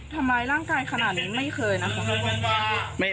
ทำร้ายร่างกายขนาดนี้ไม่เคยนะคะ